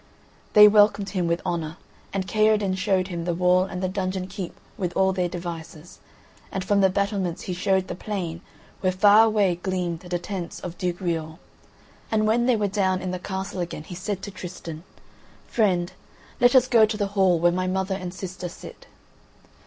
They welcomed him with honour, and Kaherdin showed him the wall and the dungeon keep with all their devices, and from the battlements he showed the plain where far away gleamed the tents of Duke Riol. And when they were down in the castle again he said to Tristan: "Friend, let us go to the hall where my mother and sister sit."